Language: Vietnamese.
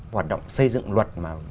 hoạt động xây dựng luật mà